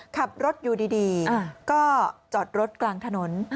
ขับรถอยู่ดีก็จอดรถกลางถนน